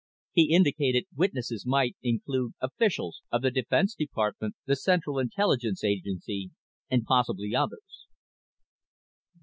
He indicated witnesses might include officials of the Defense Department, the Central Intelligence Agency, and "possibly others."